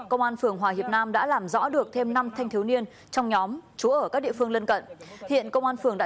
công an phường hòa hiệp nam đã làm rõ được thêm năm thanh thiếu niên trong nhóm chú ở các địa phương lân cận hiện công an phường đã